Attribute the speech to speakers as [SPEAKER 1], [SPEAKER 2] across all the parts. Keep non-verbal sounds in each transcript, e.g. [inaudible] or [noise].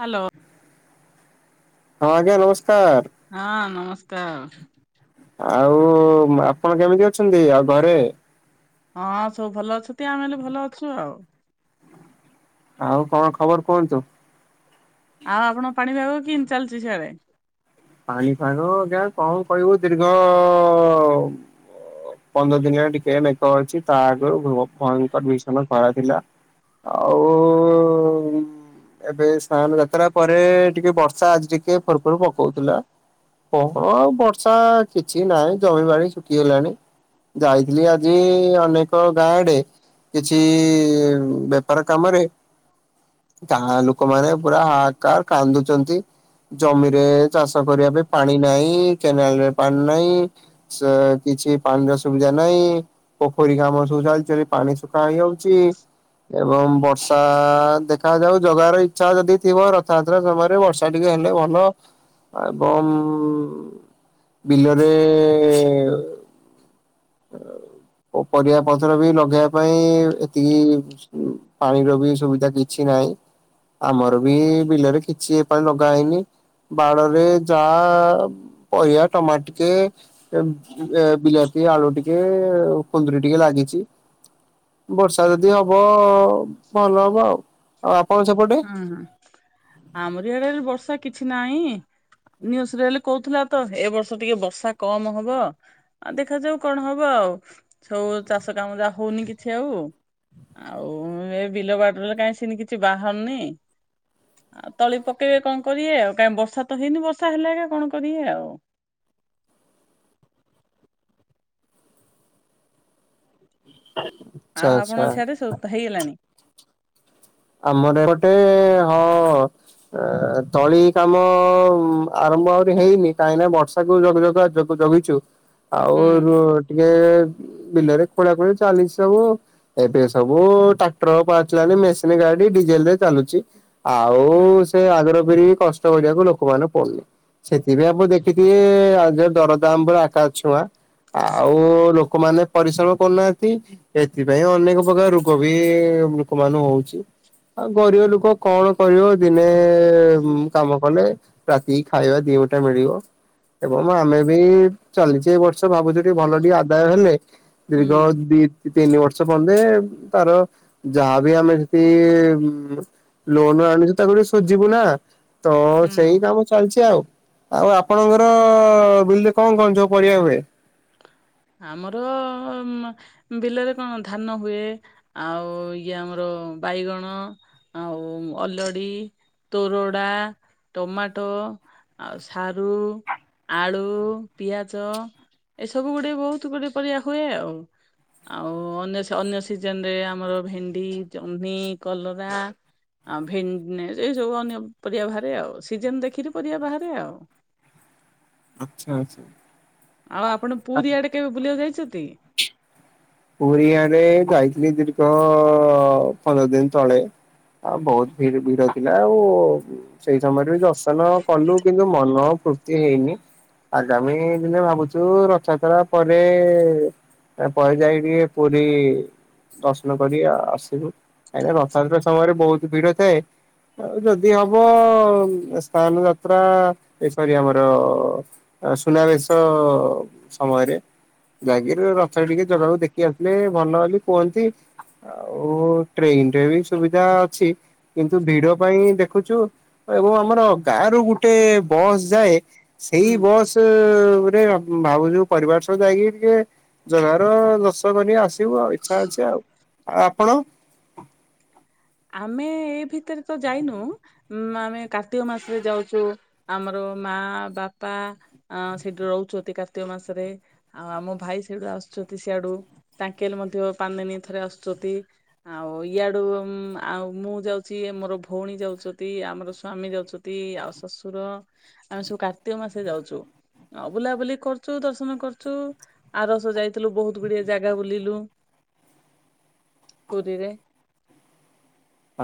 [SPEAKER 1] Hello.
[SPEAKER 2] ହଁ ଆଜ୍ଞା ନମସ୍କାର।
[SPEAKER 1] ହଁ ନମସ୍କାର।
[SPEAKER 2] ଆଉ ଆପଣ କେମିତି ଅଛନ୍ତି। ଆଉ ଘରେ?
[SPEAKER 1] ହଁ ସବୁ ଭଲ ଅଛନ୍ତି ଆମେ ହେଲେ ଭଲ ଅଛୁ ଆଉ।
[SPEAKER 2] ଆଉ କଣ ଖବର କୁହନ୍ତୁ?
[SPEAKER 1] ଆଉ ଆପଣ ପାଣିପାଗ କେମତି ଚାଲିଛି ସିଆଡେ?
[SPEAKER 2] ପାଲିଁ ସାଙ୍ଗ ଯା କଣ କହିବୁ ଦୀର୍ଘ ପନ୍ଦର ଦିନଏଁ ଟିକେ ମେଗ ଅଛି ତା ଆଗରୁ ଭୁଅ ଭୟଙ୍କର ଭୀଷଣ ଖରାଥିଲା। ଆଉ ହୁଁ ଏବେ ସ୍ନାହାନ ଯାତ୍ରା ପରେ ଟିକେ ବର୍ଷା ଆଜି ଟିକେ ଫୁରୁ ଫୁରୁ ପକୋଉଥିଲା। କହଣ ଆଉ ବର୍ଷା କିଛି ନାହିଁ ଜମିିବାଡି ଶୁଖିଗଲାଣି। ଯାଇଥିଲି ଆଜି ଅନେକ ଗାଁ ଆଡେ କିଛି ବେପାର କାମରେ ଗାଁ ଲୋକମାନେ ପୁରା ହାହାକାର କାନ୍ଦୁଛନ୍ତି। ଜମିରେ ଚାଷ କରିବା ପାଇଁ ପାଣି ନାହିଁ କେନାଲରେ ପାଣି ନାହିଁ। ସିଏ କିଛି ପାଣିର ସୁବିଧା ନାହିଁ ପୋଖରୀ କାମ ସବୁ ଚାଲିଚି ତାରେ ପାଣି ଶୁଖା ହେଇଯାଉଛି। ଏବଂ ବର୍ଷା ଦେଖାଯାଉ ଜଗାର ଇଚ୍ଛା ଯଦି ଥିବ ରଥଯାତ ଯାତ୍ରା ସମୟରେ ବର୍ଷା ଟିକେ ହେଲେ ଭଲ ଏବଂ ବିଲରେ ଓ ଉ ପରିବା ପତ୍ର ବି ଲଗେଇବା ପାଇଁ ଏତିକି ଛୁ ପାଣିର ବି ସୁବିଧା କିଛି ନାହିଁ। ଆମର ବି ବିଲରେ କିଛି ଏ ପାଳି ଲଗା ହେଇନି। ବାଡରେ ଯା ପରିବା ଟମାଟ ଟିକେ ଏମ ଏ ବିଲାତି ଆଳୁ ଟିକେ କୁନ୍ଦୁରି ଟିକେ ଲାଗିଛି। ବର୍ଷା ଯଦି ହବ ଭଲ ହବ ଆଉ ଆଉ ଆପଣ ସେପଟେ
[SPEAKER 1] ହୁଁ ହୁଁ ଆମରି ଆଡେରେ ବର୍ଷା କିଛି ନାହିଁ। ନିୟୁ ସିରିଏଲ କହୁଥିଲା ତ ଏ ବର୍ଷ ଟିକେ ବର୍ଷା କମ ହବ। ଆଉ ଦେଖାଯାଉ କଣ ହବ ଆଉ ସବୁ ଚାଷ କାମ ଯାହା ହଉନି କିଛି ଆଉ ଆଉ ଏ ବିଲ ବାଡିରେ କାଇଁ ସିନି କିଛି ବାହାରୁନି। ଆ ତଳି ପକେଇବେ କଣ କରିବେ ଆଉ କାହିଁ ବର୍ଷା ତ ହେଇନି ବର୍ଷା ହେଲେ ଏକା କଣ କରିବେ ଆଉ।
[SPEAKER 2] [inaudible]
[SPEAKER 1] ଆଉ ଆପଣଙ୍କ
[SPEAKER 2] ଆଚ୍ଛା।
[SPEAKER 1] ସିଆଡେ ସବୁତ ହେଇଗଲାଣି?
[SPEAKER 2] ଆମର ଏପଟେ ହଁ ଏ ତଳି କାମ ଆରମ୍ଭ ଆହୁରି ହେଇନି କାହିଁ ନା ବର୍ଷ ତାକୁ ଜଗୁ ଜଗୁ ଆଉ ଜଗ ଜଗିଛୁ ଆଉ
[SPEAKER 1] ହୁଁ
[SPEAKER 2] ରୁଅ ଟିକେ ବିଲରେ ଖୋଳା ଖୋଳି ଚାଲିଛି ସବୁ ଏବେ ସବୁ ଟ୍ରାକ୍ଟର ପାହାଚିଲାଣି ମେସ ଇଁନେ ଗାଡି ଡିଜେଲ ରେ ଚାଲୁଛି ଆଉ
[SPEAKER 1] ହୁଁ
[SPEAKER 2] ସେ ଆଗର ଫିିରି କଷ୍ଟ ସବୁଯାକ ଲୋକମାନେ ପଇଲେ। ସେଥିପାଇଁ ଆପଣ ଦେଖିଥିବେ ଆ ଯ ଦରଦାମ ପୁରା ଆକଶ ଛୁଆଁ। ଆଉ ଲୋକମାନେ ପରିଶ୍ରମ କରୁନାହାନ୍ତି। ଏଥିପାଇଁ ଅନେକ ପ୍ରକାର ରୋଗ ବି ଲୋକ ମାନ ହଉଛି। ଉଁ ଆ ଗରିବ ଲୋକ କଣ କରିବ ଦିନେ
[SPEAKER 1] ହୁଁ
[SPEAKER 2] ମୁ କାମ କଲେ ରାତିକି ଖାଇବା ଦିଓଟା ମିଳିବ। ଏବଂବ ଆମେ ବି ଚାଲିଛେ ଏ ବର୍ଷ ଭାବୁଛେ ଏ ଭଲ ଟିକେ ଆଦାୟ ହେଲେ
[SPEAKER 1] ହୁଁ।
[SPEAKER 2] ଦୀର୍ଘ ଦିତି ଦି ତିନି ବର୍ଷ ପର୍ଯ୍ୟନ୍ତେ ତାର ଯାହାବି ଆମେ ତି ଉ ମୁ ଲୋନ ଆଣୁଛୁ ତାକୁଟେ ଶୁଝିବୁ ନା ତ ସେଇ
[SPEAKER 1] ହୁଁ।
[SPEAKER 2] କାମ ଚାଲିଛି ଆଉ ଆଉ ଆପଣଙ୍କର ବିଲରେ କଣ କଣ ଯୋଉ ପରିବା ହୁଏ?
[SPEAKER 1] ଆମର ଅମ ବିଲରେ କଣ ଧାନ ହୁଏ। ଆଉ ଇଏ ଆମର ବାଇଗଣ ଆଉ ଅଲଡି ତୋରଡ଼ା, ଟମାଟୋ, ଆଉ ସାରୁ। ଆଳୁ, ପିଆଜ ଏସବୁ ଗୁଡେ ବହୁତ ଗୁଟେ ପରିବା ହୁଏ ଆଉ। ଆଉ ଅନ୍ୟ, ଅନ୍ୟ ସିଜନ ରେ ଆମର ଭେଣ୍ଡି, ଜହ୍ନି, କଲରା ଆଉ ଭେନ ଏ ସବୁ ଅନ୍ୟ ପରିବା ବାହାରେ ଆଉ ସିଜନ ଦେଖିକି ପରିବା ବାହାରେ ଆଉ।
[SPEAKER 2] ଆଚ୍ଛା ଆଛା।
[SPEAKER 1] ଆଉ ଆପଣ ପୁରୀ ଆଡେ କେବେ ବୁଲିଆକୁ ଯାଇଛନ୍ତି।
[SPEAKER 2] ପୁରୀ ଆଡେ ଯାଇଥିଲି ଦୀର୍ଘ ପନ୍ଦର ଦିନ ତଳେ। ହଁ ବହୁତ ଭିଡ ଭିଡ ଥିଲା ଆଉ ସେଇ ସମୟରେ ବି ଦର୍ଶନ କଲୁ କିନ୍ତୁ ମନ ଫୁର୍ତ୍ତି ହେଇନି। ଆଗାମୀ ଦିନେ ଭାବୁଚୁ ରଥଯାତ୍ରା ପରେ ପରେ ଯାଇ ଟିକେ ପୁରୀ ଦର୍ଶନ କରି ଆସିବୁ କାଁହିଁକିନା ରଥଯାତ୍ରା ସମୟରେ ବହୁତ ଭିଡ ଥାଏ। ଆଉ ଯଦି ହବ ସ୍ନାନ ଯାତ୍ରା ଏସରି ଆମର ସୁନାବେଶ ସମୟରେ ଯାଇକି ଟିକେ ରଥରେ ଟିକେ ଜଗାକୁ ଦେଖ କ୍ଳେଅରପ୍ଲେ ଭଲ ବୋଲି କୁହନ୍ତି ଆଉ ଟ୍ରେନ ରେ ବି ସୁବିଧା ଅଛି। କିନ୍ତୁ ଭିଡ ପାଇଁ ଦେଖୁଛୁ ଏବଂ ଆମର ଗାଁ ର ଗୋଟେ ବସ୍ ଯାଏ ସେଇ
[SPEAKER 1] ହୁଁ
[SPEAKER 2] ବସ୍ କିନ୍ତୁ ଗୋଟେ ଭାବୁଛୁ ପରିବାର ସହ ଯାଇକି ଟିକେ ଜଗାର ଦଶ ର୍ଶନ କରି ଆସିବୁ ଆଉ ଇଚ୍ଛା ଅଛି ଆଉ। ଆଉ ଆପଣ?
[SPEAKER 1] ଆମେ ଏଇ ଭିତରେ ତ ଯାଇନୁ। ଉଁ ଆମେ କାର୍ତ୍ତିକ ମାସରେ ଯାଉଛୁ ଆମର ମା ବାପା ଆ ସେଠି ରହୁଛନ୍ତି କାର୍ତ୍ତିକ ମାସରେ। ଆଉ ଆମ ଭାଇ ସେଠୁ ଆସୁଛନ୍ତି ସିଆଡୁ ତାଙ୍କେଲ ମଧ୍ୟ ପାନେ ନେଇ ଥରେ ଆସୁଛନ୍ତି। ଆଉ ଇଆଡୁ ଆଉ ମୁଁ ଯାଉଛି ମୋର ଭଉଣୀ ଯାଉଛନ୍ତି ଆମର ସ୍ଵାମୀ ଯାଉଛନ୍ତି ଆଉ ଶଶୁର ଆମେ ସବୁ କାର୍ତ୍ତିକ ମାସେ ରେ ଯାଉଚୁ। ଆଉ ବୁଲାବୁଲି କରୁଚୁ ଦର୍ଶନ କରୁଚୁ ଆର ବର୍ଷ ଯାଇଥିଲୁ ବହୁତ ଗୁଡିଏ ଜାଗା ବୁଲିଲୁ।
[SPEAKER 2] [inaudible]
[SPEAKER 1] ପୁରୀ ରେ।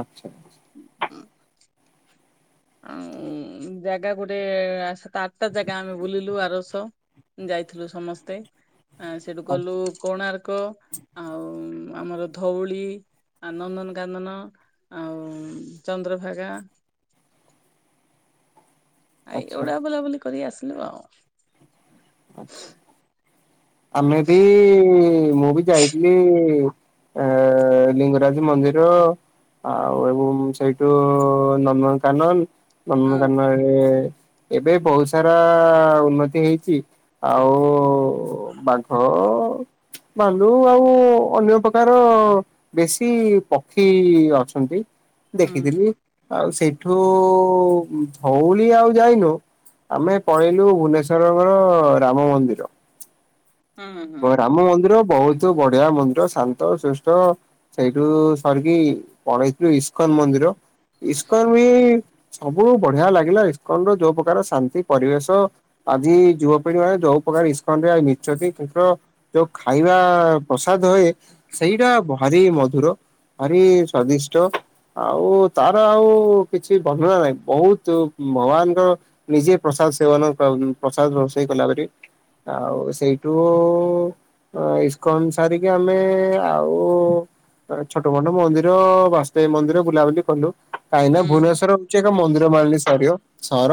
[SPEAKER 2] ଆଚ୍ଛା [unintelligible]
[SPEAKER 1] [unintelligible] ଆଉ ଉଁ ଜାଗା ଗୋଟେ ସାତ ଆଠଟା ଜାଗା ଆମେ ବୁଲିଲୁ ଆରବର୍ଷ। ଯାଇଥିଲୁ ସମସ୍ତେ ଆ ସେଠୁ
[SPEAKER 2] ଆଚ୍ଛା
[SPEAKER 1] ଗଲୁ କୋଣାର୍କ ଆଉ ଆମର ଧଉଳି ଆଉଁ ନନ୍ଦନକାନନ। ଆଉ ଚନ୍ଦ୍ରଭାଗା। ଆଇ
[SPEAKER 2] ଆଚ୍ଛା।
[SPEAKER 1] ଏଗୁଡାଆ ବୁଲାବୁଲି କରି ଆସିଲୁ ଆଉ।
[SPEAKER 2] ଆଛା ଆମେ ବି ମୁଁ ବି ଯାଇଥିଲି ଏ ଲିଙ୍ଗରାଜ ମନ୍ଦିର। ଆଉ ଏବଂ ସେଇଠୁ ନନ୍ଦନକାନନ।
[SPEAKER 1] ହଁ
[SPEAKER 2] ନନ୍ଦନକାନନ ରେ ଏବେ ବହୁତ ସାରା ଉନ୍ନତି ହେଇଛି। ଆଉ ଉଁ ବାଘ ଭାଲୁ ଆଉ ଅନ୍ୟ ପ୍ରକାର ବେଶୀ ପକ୍ଷୀ ଅଛନ୍ତି
[SPEAKER 1] ହୁଁ
[SPEAKER 2] ଦେଖିଥିଲି। ଆଉ ସେଇଠୁ ଧୋଉଳି ଆଉ ଯାଇନୁ ଆମେ ପଳେଇଲୁ ଭୁବନେଶ୍ଵର ର ରାମ ମନ୍ଦିର।
[SPEAKER 1] ହୁଁ ହୁଁ ହୁଁ।
[SPEAKER 2] ରାମ ମନ୍ଦିର ବହୁତୁ ବଢିଆ ମନ୍ଦିର, ଶାନ୍ତ, ଶିଷ୍ଟ ସେଇଠୁ ସରିକି ପଳେଇଥିଲୁ ଇସ୍କନ ମନ୍ଦିର। ଇସ୍କନ ବି ସବୁ ବଢିଆ ଲାଗିଲା। ଇସ୍କନ ର ଯୋଉ ପ୍ରକାର ଶାନ୍ତି ପରିବେଶ ଆଜି ଯୁବପିଢି ମାନେ ଯୋଉ ପ୍ରକାର ଇସ୍କନ ରେ [unintelligible] ର ଯୋଉ ଖାଇବା ପ୍ରସାଦ ହୁଏ, ସେଇଟା ଭାରି ମଧୁର। ଭାରି ସ୍ଵାଦିଷ୍ଟ। ଆଉ ତାର ଆଉ କିଛି ବର୍ଣ୍ଣନା ନାହିଁ। ବହୁତୁ ଭଗବାନଙ୍କର ନିଜେ ପ୍ରସାଦ ସେବନ ପ୍ରସାଦ ରୋଷେଇ କଲାପରି। ଆଉ ସେଇଠୁ ଉ ଇସ୍କନ ସାରିକି ଆମେ ଆଉ ଛୋଟ ମୋଟ ମନ୍ଦିର ବାସୁଦେବ ମନ୍ଦିର ବୁଲାବୁଲି କଲୁ। କାହିଁକି ନା
[SPEAKER 1] ହୁଁ
[SPEAKER 2] ଭୁବନେଶ୍ଵର ହଉଚି ଏକ ମନ୍ଦିର ମାଳିନୀ ସରିଅ, ସହର।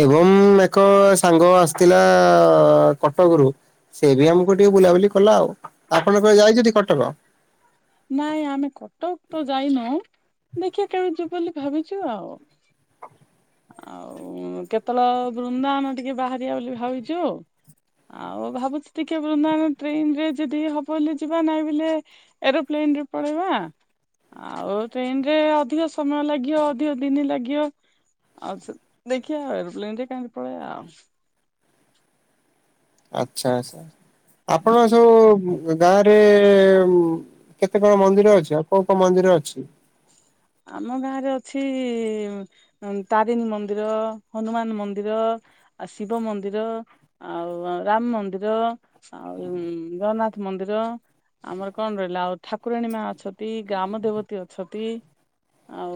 [SPEAKER 2] ଏବଂ ଏକ ସାଙ୍ଗ ଆସିଥିଲା କଟକ ରୁ, ସେ ବି ଆମକୁ ଟିକେ ବୁଲାବୁଲି କଲା ଆଉ। ଆପଣ କୁଆଡେ ଯାଇଛନ୍ତି କଟକ?
[SPEAKER 1] ନାଇଁ ଆମେ କଟକ ତ ଯାଇନୁ। ଦେଖିବା କେବେ ଯିବୁ ବୋଲି ଭାବିଚୁ ଆଉ। ଆଉ କେତେବେଳ ବୃନ୍ଦାବନ ଟିକେ ବାହାରିବା ବୋଲି ଭାବିଚୁ। ଆଉ ଭାବୁଚି ଟିକେ ବୃନ୍ଦାବନ ଟ୍ରେନ ରେ ଯଦି ହବ ବୋଲି ଯିବା ନାଇଁ ବଲେ ଏରୋପ୍ଲେନ ରେ ପଳେଇବା। ଆଉ ଟ୍ରେନ ରେ ଅଧିକ ସମୟ ଲାଗିବ ଅଧିକ ଦିନି ଲାଗିବ। ଆଉ ସେ ଦେଖିବା ଏରୋପ୍ଲେନ ରେ କାହିଁକି ପଳେଇବା ଆଉ।
[SPEAKER 2] ଆଚ୍ଛା ଆଚ୍ଛା। ଆପଣଙ୍କ ସବୁ ଗାଁ ରେ କେତେ କଣ ମନ୍ଦିର ଅଛି? ଆଉ କୋଉ କୋଉ ମନ୍ଦିର ଅଛି?
[SPEAKER 1] ଆମ ଗାଁରେ ଅଛି ତାରିଣୀ ମନ୍ଦିର, ହନୁମାନ ମନ୍ଦିର। ଆ ଶିବ ମନ୍ଦିର ଆଉ ରାମ ମନ୍ଦିର। ଆଉ ଜଗନ୍ନାଥ ମନ୍ଦିର। ଆମର କଣ ରହିଲା ଆଉ ଠାକୁରାଣୀ ମା ଅଛତି, ଗ୍ରାମ ଦେବତୀ ଅଛତି। ଆଉ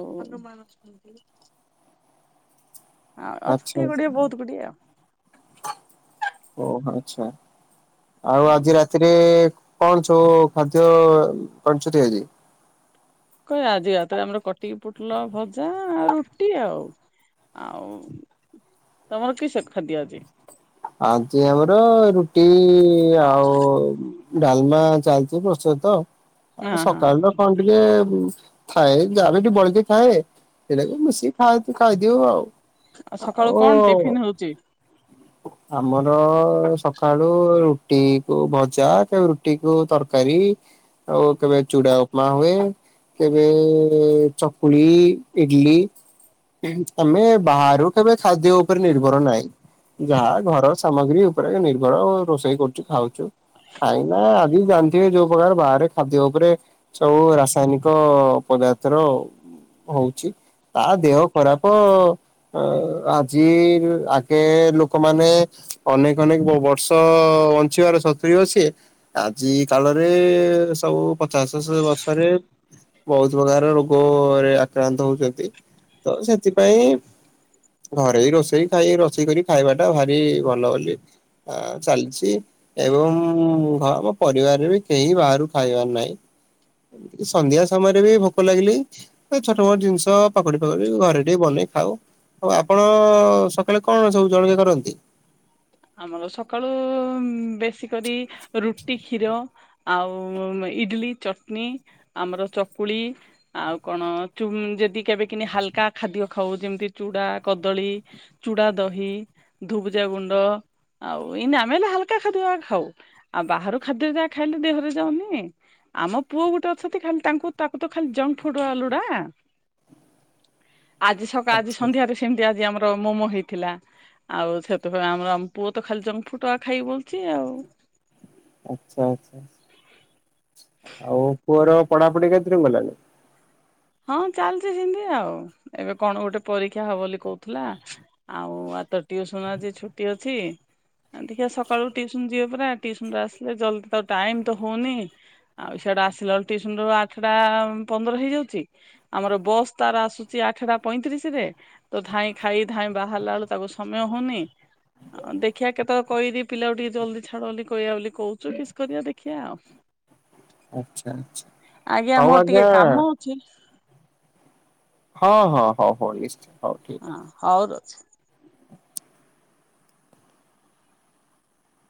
[SPEAKER 1] ଆଉ
[SPEAKER 2] ଆଚ୍ଛା
[SPEAKER 1] ଅଛନ୍ତି ଗୁଡିଏ
[SPEAKER 2] ଆଚ୍ଛା।
[SPEAKER 1] ବହୁତ ଗୁଡିଏ ଆଉ।
[SPEAKER 2] ଓହୋ ଆଚ୍ଛା। ଆଉ
[SPEAKER 1] ହୁଁ
[SPEAKER 2] ଆଜି ରାତିରେ କଣ ଯୋଉ ଖାଦ୍ୟ କରିଛନ୍ତି ଆଜି?
[SPEAKER 1] [unintelligible] ଆଜି ରାତରେ ଆମର କଟିକି ପୁଟଲ ଭଜା ଆ ରୁଟି ଆଉ। ଆଉ ତମର କିସ ଖାଦ୍ୟ ଆଜି?
[SPEAKER 2] ଆଜି ଆମର ରୁଟି ଆଉ ଡାଲମା ଚାଲିଚି ପ୍ରସ୍ତୁତ।
[SPEAKER 1] ହଁ
[SPEAKER 2] ଆଉ
[SPEAKER 1] ହଁ
[SPEAKER 2] ସକାଳ ର କଣ ଟିକେ ଥାଏ, ଯାହା ଟିକେ ବଳି କି ଥାଏ। ସେରାକୁ ମିଶିକି ଖାଇ ଖାଇଦଉ ଆଉ।
[SPEAKER 1] ସକାଳୁ
[SPEAKER 2] ଆଉ
[SPEAKER 1] କଣ ଟିଫିନ ହଉଛି?
[SPEAKER 2] ଆମର ସକାଳୁ ରୁଟି କୁ ଭଜା କେବେ ରୁଟି କୁ ତରକାରୀ। ଆଉ କେବେ ଚୁଡ଼ା ଉପମା ହୁଏ। କେବେ ଚକୁଳି ଇଟିଲି। ଆମେ ବାହାରୁ କେବେ ଖାଦ୍ୟ ଉପରେ ନିର୍ଭର ନାହିଁ। ଯାହା ଘର ସାମଗ୍ରୀ ଉପରେ ନିର୍ଭର ରୋଷେଇ କରୁଚୁ ଖାଉଚୁ। କାହିଁକି ନା ଆଜି ଜାଣିଥିବେ ଯୋଉ ପ୍ରକାର ବାହାରେ ଖାଦ୍ୟ ଉପରେ ସବୁ ରାସାୟନିକ ପଦାର୍ଥର ହଉଚି ତା ଦେହ ଖରାପ ଆଜି ଆଗେ ଲୋ ଲୋକମାନେ ଅନେକ ଅନେକ ବର୍ଷ ବଞ୍ଚିବାର ସ ଅଛି। ଆଜି କାଳରେ ସବୁ ପଚାଶ ବର୍ଷରେ ବହୁତ ପ୍ରକାର ରୋଗରେ ଆକ୍ରାନ୍ତ ହଉଛନ୍ତି। ତ ସେଥିପାଇଁ ଘରେ ବି ରୋଷେଇ ଖାଇ ରୋଷେଇ କରି ଖାଇବାଟା ଭାରି ଭଲ ବୋଲି ଆ ଚାଲିଛି। ଏବଂ ଘର ଆମ ପରିବାରରେ ବି କେହି ବାହାରୁ ଖାଇବାର ନାହିଁ। ସନ୍ଧ୍ୟା ସମୟରେ ବି ଭୋକ ଲାଗିଲି ଛୋଟ ମୋଟ ଜିନିଷ ପକୁଡି ପକୁଡି ଘରେ ଟିକେ ବନେଇ ଖାଉ। ଆଉ ଆପଣ ସକାଳେ କଣ ସବୁ ଜଳଖିଆ କରନ୍ତି?
[SPEAKER 1] ଆମର ସକାଳୁ ବେଶୀ କରି ରୁଟି, କ୍ଷୀର। ଆଉ ଇଟିଲି, ଚଟନୀ ଆମର ଚକୁଳି। ଆଉ କଣ ଯଦି କେବେ କିି ହାଲକା ଖାଦ୍ୟ ଖାଉ ଯେମିତି ଚୁଡା, କଦଳୀ ଚୂଡ଼ା ଦହି, ଧୁବଜା ଗୁଣ୍ଡ ଆଉ ଏଇନ ଆମେ ବି ହାଲକା ଖାଦ୍ୟ ଯାକ ଖାଉ ଆଉ ବାହାରୁ ଖାଦ୍ୟ ଯା ଖାଇଲେ ଦେହରେ ଯାଉନି। ଆମ ପୁଅ ଗୋଟେ ଅଛନ୍ତି ଖାଲି ତାଙ୍କୁ ତାକୁ ତ ଖାଲି ଯଙ୍କ ଫୁଡ ଆକା ଲୁଡା।
[SPEAKER 2] [inaudible]
[SPEAKER 1] ଆଜି ସକାଳ ଆଜି
[SPEAKER 2] ଆଚ୍ଛା
[SPEAKER 1] ସନ୍ଧ୍ୟାରେ ସେମିତି ଆଜି ଆମର ମୋମୋ ହେଇଥିଲା। ଆଉ ସେଥିପାଇଁ ଆମର ପୁଅ ତ ଖାଲି ଜଙ୍କଫୁଡ୍ ଆକା ଖାଇବା ବୋଲୁଚି ଆଉ।
[SPEAKER 2] ଆଚ୍ଛା ଆଚ୍ଛା। ଆଉ ପୁଅର ପଢାପଢି କେତେଦୂର ଗଲାଣି?
[SPEAKER 1] ହଁ ଚାଲିଛି ସେମିତି ଆଉ ଏବେ କଣ ଗୋଟେ ପରୀକ୍ଷା ହବ ବୋଲି କହୁଥିଲା। ଆଉ ଆଜି ତ ଟିଉସନ ଆଜି ଛୁଟି ଅଛି। ଆ ଦେଖିଆ ସକାଳୁ ଟ୍ୟୁସନ ଯିବ ପରା ଟ୍ୟୁସନରୁ ଆସିଲେ ଜଲଦି ତାକୁ ଟାଇମ ତ ହଉନି। ଆଉ ସିଆଡେ ଆସିଲା ଟ୍ୟୁସନରୁ ଆଠଟା ପନ୍ଦର ହେଇଯାଉଛି। ଆମର ବସ୍ ତାର ଆସୁଛି ଆଠଟା ପଇଁତିରିଶ ରେ। ତ ଧାଇଁ ଖାଇ ଧାଇଁ ବାହାରିଲା ବେଳକୁ ତାକୁ ସମୟ ହଉନି। ଦେଖିଆ କେତେବେଳେ କହିବି ପିଲାକୁ ଟିକେ ଜଲଦି ଛାଡ ବୋଲି କହିଆ ବୋଲି କହୁଛୁ କିସ୍ କରିବା ଦେଖିଆ ଆଉ।
[SPEAKER 2] ଆଚ୍ଛା ଆଚ୍ଛା ହଉ ଆଜ୍ଞା
[SPEAKER 1] ଯେ
[SPEAKER 2] ହଁ ହଁ ହଉ ହଉ ନିଶ୍ଚୟ। ହଉ ଠିକ।
[SPEAKER 1] ହଁ ହଉ ରହୁଚି।